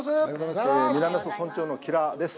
南阿蘇村長の吉良です。